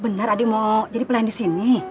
benar adik mau jadi pelayan disini